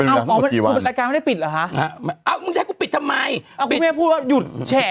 รายการไม่ได้ปิดเหรอคะเอ้ามึงให้กูปิดทำไมอ้าวคุณแม่พูดว่าหยุดแชร์